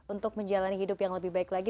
untuk menjalani hidup yang lebih baik lagi